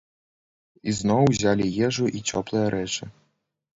Ізноў узялі ежу і цёплыя рэчы.